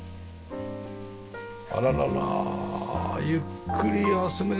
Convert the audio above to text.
あらららゆっくり休めそう。